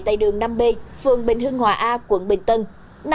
tại đường năm b phường bình hưng hòa a quận bình tân